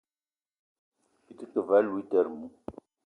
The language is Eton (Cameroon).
Byi te ke ve aloutere mou ?